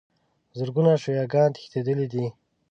زرګونو شیعه ګان تښتېدلي دي.